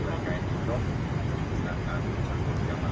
dan mikot yang akan berwarna sama satu dari rombongan haji dan mikot